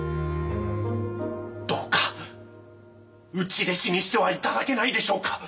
どうか内弟子にしては頂けないでしょうか。